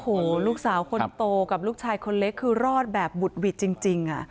โอ้โหลูกสาวคนโตกับลูกชายคนเล็กคือรอดแบบบุดหวิดจริง